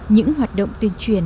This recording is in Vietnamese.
những hoạt động tuyên truyền